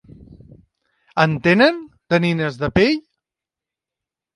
En tenen, de nines de pell?